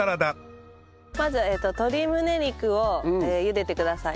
まず鶏むね肉を茹でてください。